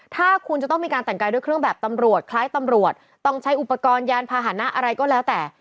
ถ้าคุณจะต้องมีการแต่งกายด้วยเครื่องแบบตำรวจคล้ายตำรวจต้องใช้อุปกรณ์ยานพาหนะอะไรก็แล้วแต่